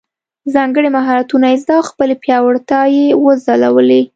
ځانګړي مهارتونه زده او خپلې وړتیاوې یې وځلولې.